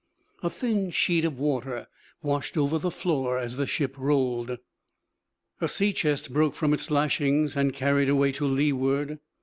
A thin sheet of water washed over the floor as the ship rolled. A sea chest broke from its lashings, and carried away to leeward.